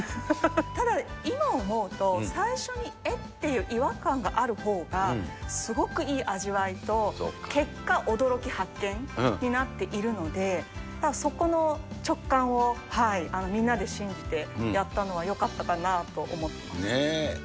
ただ、今思うと、最初にえっ？っていう違和感があるほうが、すごくいい味わいと、結果、驚き、発見になっているので、そこの直感を、みんなで信じてやったのは、よかったかなと思ってます。